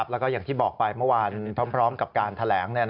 แล้วก็อย่างที่บอกไปเมื่อวานพร้อมกับการแถลง